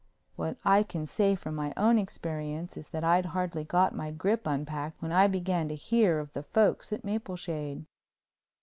What I can say from my own experience is that I'd hardly got my grip unpacked when I began to hear of the folks at Mapleshade.